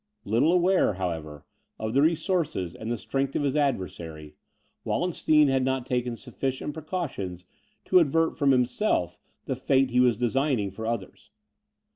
Little aware, however, of the resources and the strength of his adversary, Wallenstein had not taken sufficient precautions to avert from himself the fate he was designing for others.